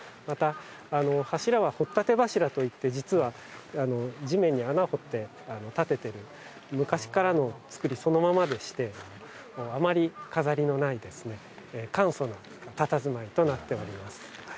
また柱は掘立柱といって実は地面に穴掘って立ててる昔からの造りそのままでしてあまり飾りのない簡素なたたずまいとなっております。